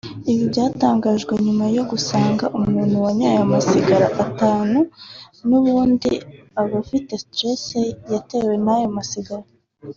Ibi byatangajwe nyuma yo gusanga umuntu wanyoye amasigara atanu n’ubundi aba afite stress yatewe n’ayo masigara